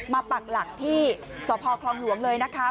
ปักหลักที่สพคลองหลวงเลยนะคะ